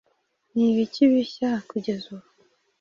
Ni ibiki bishya kugeza ubu?